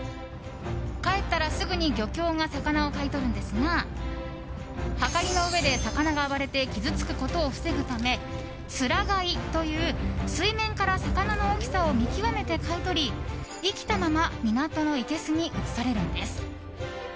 帰ったらすぐに漁協が魚を買い取るんですがはかりの上で魚が暴れて傷つくことを防ぐため面買いという、水面から魚の大きさを見極めて買い取り生きたまま港のいけすに移されるんです。